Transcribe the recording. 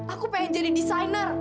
aku pengen jadi desainer